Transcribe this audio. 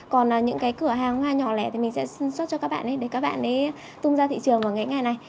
còn những cái cửa hàng hoa nhỏ lẻ thì mình sẽ xuất cho các bạn để các bạn tung ra thị trường vào ngày ngày này